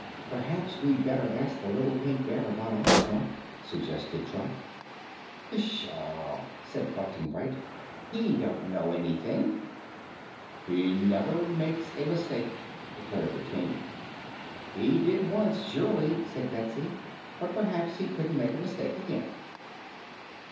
"P'r'aps we'd better ask the little Pink Bear about Ozma," suggested Trot. "Pshaw!" said Button Bright. "HE don't know anything." "He never makes a mistake," declared the King. "He did once, surely," said Betsy. "But perhaps he wouldn't make a mistake again."